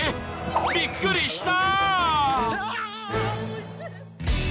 ［びっくりした！］